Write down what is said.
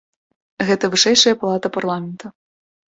Гэта вышэйшая палата парламента.